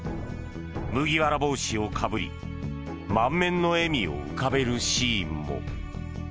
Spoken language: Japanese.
麦わら帽子をかぶり満面の笑みを浮かべるシーンも。